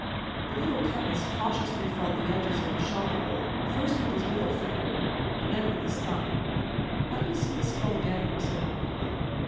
The little chemist cautiously felt the edges of the shot hole, first with his middle finger, and then with his thumb. "Let me see the skull again," said I.